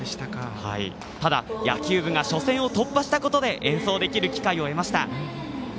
ただ、野球部が初戦を突破したことで演奏できる機会を得ました。